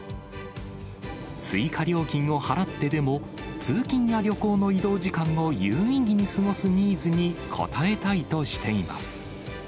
追加料金を払ってでも、通勤や旅行の移動時間を有意義に過ごすニーズに応えたいとしています。